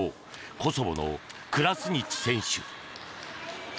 コソボのクラスニチ選手。